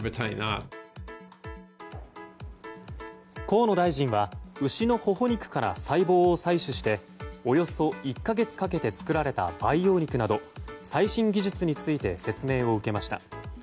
河野大臣は牛のほほ肉から細胞を採取しておよそ１か月かけて作られた培養肉など最新技術について説明を受けました。